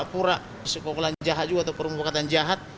berpura pura sekokulan jahat juga atau perumpakatan jahat